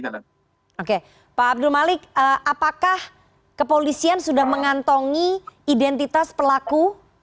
oke pak abdul malik apakah kepolisian sudah mengantongi identitas pelaku